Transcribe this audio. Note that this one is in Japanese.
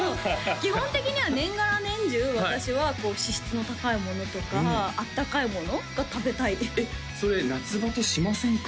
基本的には年がら年中私は脂質の高いものとかあったかいものが食べたいえっそれ夏バテしませんか？